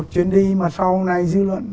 chuyến đi mà sau này dư luận